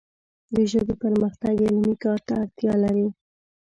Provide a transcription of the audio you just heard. د ژبې پرمختګ علمي کار ته اړتیا لري